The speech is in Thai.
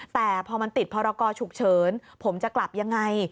แต่พอมันติดพรกรฉุกเฉินผมจะกลับยังไง